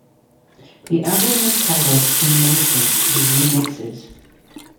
The album was titled "In Motion: The Remixes".